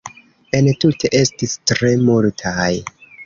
Entute estis tre multaj.